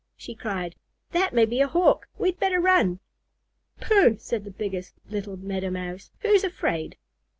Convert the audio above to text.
she cried. "That may be a Hawk. We'd better run." "Pooh!" said the biggest little Meadow Mouse. "Who's afraid?"